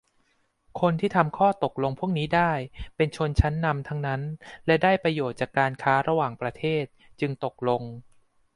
คนที่ทำข้อตกลงพวกนี้ได้ เป็นชนชั้นนำทั้งนั้น และได้ประโยชน์จากการค้าระหว่างประเทศ จึงตกลง